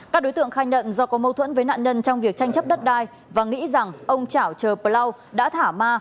các đối tượng khai nhận do có mâu thuẫn với nạn nhân trong việc tranh chấp đất đai và nghĩ rằng ông trảo chờ bờ lau đã thả ma